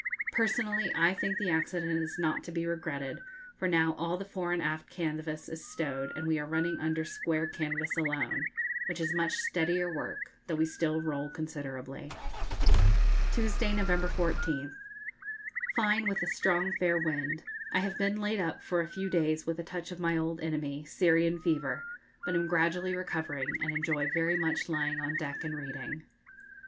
Personally, I think the accident is not to be regretted, for now all the fore and aft canvas is stowed, and we are running under square canvas alone, which is much steadier work, though we still roll considerably. Tuesday, November 14th. Fine, with a strong fair wind. I have been laid up for a few days with a touch of my old enemy, Syrian fever, but am gradually recovering, and enjoy very much lying on deck and reading.